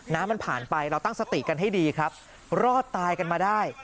น้ำมันผ่านไปเราตั้งสติกันให้ดีครับรอดตายกันมาได้